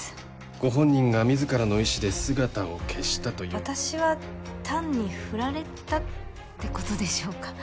ご本人が自らの意思で姿を消したという私は単にフラれたってことでしょうか